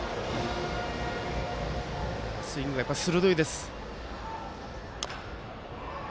スイングがやっぱり鋭いです。